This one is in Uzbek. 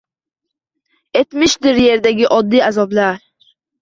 Etmishdir yerdagi oddiy azoblar